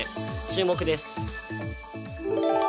注目です。